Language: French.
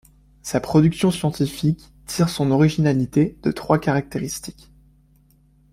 Sa production scientifique tire son originalité de trois caractéristiques.